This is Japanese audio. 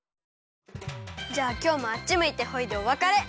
じゃあきょうもあっちむいてホイでおわかれ。